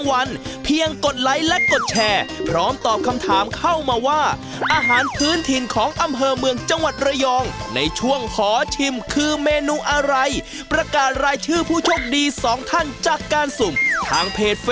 เวทบุ๊คออบจมหาสนุกวันศุกร์นี้นะฮะ